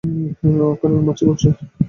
ওখানে মাছি ঘুরছে।